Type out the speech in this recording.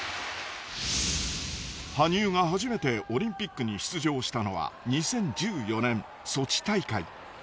羽生が初めてオリンピックに出場したのは２０１４年ソチ大会。